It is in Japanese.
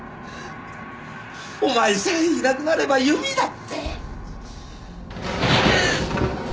お前さえいなくなれば由美だって！